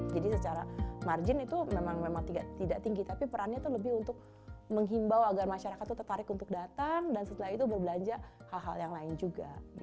jadi secara margin itu memang tidak tinggi tapi perannya itu lebih untuk menghimbau agar masyarakat tertarik untuk datang dan setelah itu berbelanja hal hal yang lain juga